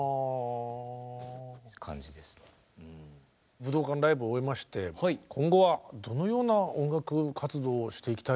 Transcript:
武道館ライブを終えまして今後はどのような音楽活動をしていきたいとお考えですか？